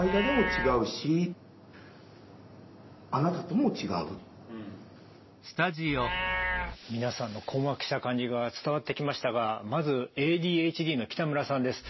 僕は何か知らないけど皆さんの困惑した感じが伝わってきましたがまずＡＤＨＤの北村さんです。